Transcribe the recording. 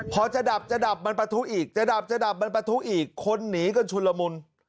พอจะดับจะดับมันประทุอีกจะดับจะดับมันประทุอีกคนหนีกันชุนละมุน